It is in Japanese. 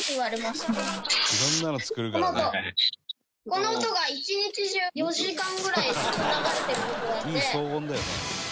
この音が１日中４時間ぐらいずっと流れてる事があって。